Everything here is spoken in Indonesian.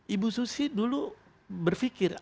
ibu susi dulu berpikir